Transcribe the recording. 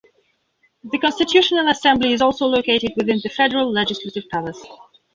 The Constitutional Assembly is also located within the Federal Legislative Palace.